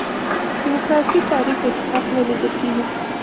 دیموکراسي تعریف اتفاق نه لیدل کېږي.